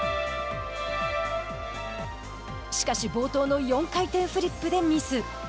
しかし、冒頭の４回転フリップでミス。